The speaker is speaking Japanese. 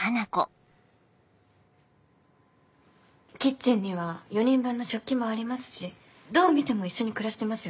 キッチンには４人分の食器もありますしどう見ても一緒に暮らしてますよね？